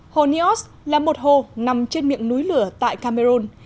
hồ nios là một hồ nằm trên miệng núi lửa tại cameroon